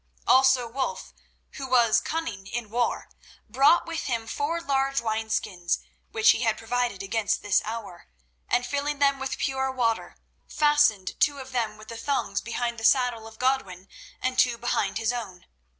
Also Wulf, who was cunning in war, brought with him four large wineskins which he had provided against this hour, and filling them with pure water, fastened two of them with thongs behind the saddle of Godwin and two behind his own.